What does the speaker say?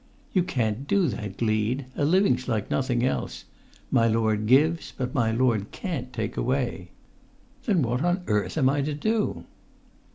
"You can't do that, Gleed. A living's like nothing else. My lord gives, but my lord can't take away." "Then what on earth am I to do?"